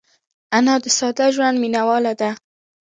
انا د ساده ژوند مینهواله ده